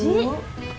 ini buku apa ji